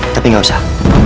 tapi gak usah